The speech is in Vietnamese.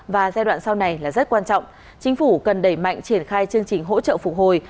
và giai đoạn sau này là rất quan trọng chính phủ cần đẩy mạnh triển khai chương trình hỗ trợ phục hồi